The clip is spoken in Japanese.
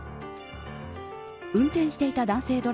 運転していた男性